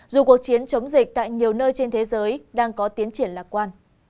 dù cuộc chiến chống dịch tại nhiều nơi trên thế giới đang có tiến triển lạc quan